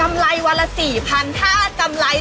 มันอยู่ที่ประมาณ๒๐นาที